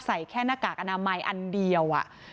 ใส่แค่หน้ากากอนามัยอันเดียว